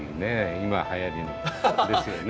今はやりのですよね。